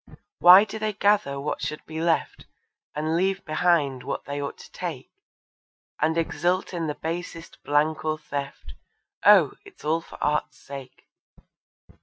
Why do they gather what should be left, And leave behind what they ought to take, And exult in the basest blank or theft? Oh, it's all for Art's sake.